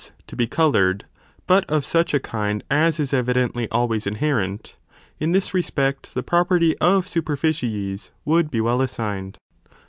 to be coloured, but of such a kind as is evidently always inherent, in this respect the pro . perty of superficies would be well assigned.